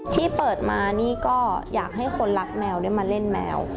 ที่เปิดมานี่ก็อยากให้คนรักแมวได้มาเล่นแมว